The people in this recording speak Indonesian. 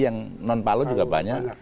yang non palu juga banyak